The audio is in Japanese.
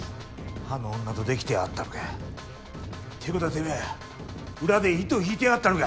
あの女とデキてやがったのかよ。ってことはてめぇ裏で糸引いてやがったのか。